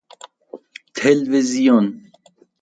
تلوزیون